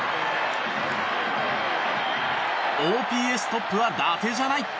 ＯＰＳトップはダテじゃない！